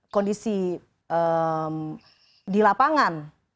kondisi di lapangan